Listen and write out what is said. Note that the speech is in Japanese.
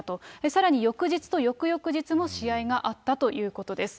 さらに翌日と翌々日も試合があったということです。